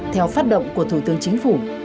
theo phát động của thủ tướng chính phủ